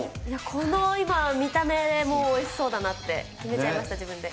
この今、見た目でもうおいしそうだなって決めちゃいました、自分で。